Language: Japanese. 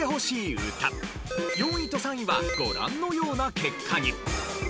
４位と３位はご覧のような結果に。